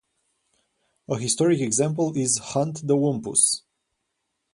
A historic example is "Hunt the Wumpus".